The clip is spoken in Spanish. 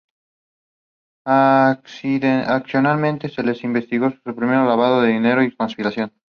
Pero por el tiempo fuimos para hacer Rey, había mucho material negativo yendo en.